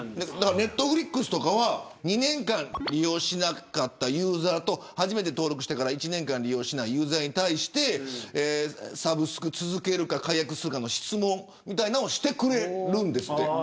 Ｎｅｔｆｌｉｘとかは２年間利用しなかったユーザーと初めて登録してから１年間利用しないユーザーに対してサブスクを続けるか解約するかの質問をしてくれるんです。